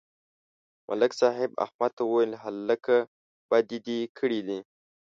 ملک صاحب احمد ته وویل: هلکه، بدي دې کړې ده.